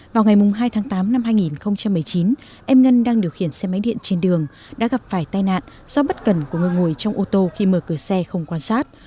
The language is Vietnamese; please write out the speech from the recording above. vào ngày hai tháng tám năm hai nghìn một mươi chín em ngân đang điều khiển xe máy điện trên đường đã gặp phải tai nạn do bất cần của người ngồi trong ô tô khi mở cửa xe không quan sát